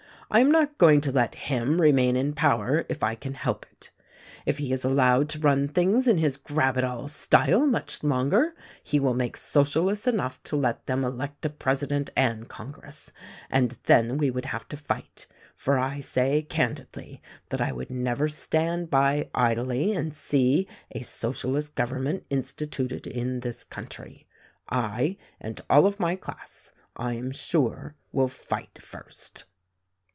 I am not going to let him remain in power if I can help it. If he is allowed to run things in his grab it all style much longer 192 THE RECORDING ANGEL he will make Socialists enough to let them elect a President and Congress — and then we would have to fight; for I say candidly that I would never stand by idly and see a Socialist government instituted in this country. I and all of my class, I am sure, will fight first."